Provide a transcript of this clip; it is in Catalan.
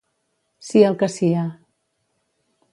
Sia el que sia.